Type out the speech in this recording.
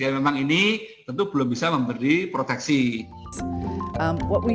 memang ini tentu belum bisa memberi proteksi